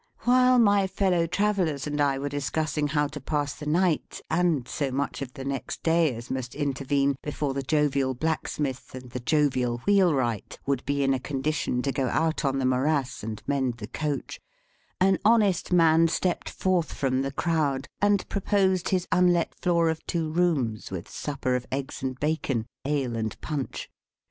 While my fellow travellers and I were discussing how to pass the night and so much of the next day as must intervene before the jovial blacksmith and the jovial wheelwright would be in a condition to go out on the morass and mend the coach, an honest man stepped forth from the crowd and proposed his unlet floor of two rooms, with supper of eggs and bacon, ale and punch.